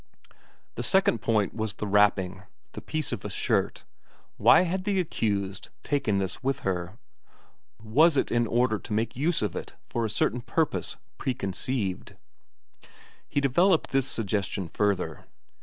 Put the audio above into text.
The second point was the wrapping, the piece of a shirt why had the accused taken this with her? Was it in order to make use of it for a certain purpose preconceived? He developed this suggestion further.